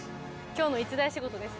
今日の一大仕事です。